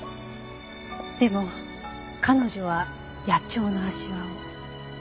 でも彼女は野鳥の足環を。